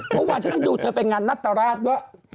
เพราะว่าฉันดูเธอไปงานนัตรราชว่า